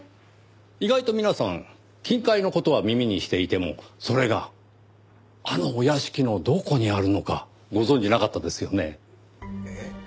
意外と皆さん金塊の事は耳にしていてもそれがあのお屋敷のどこにあるのかご存じなかったですよねぇ。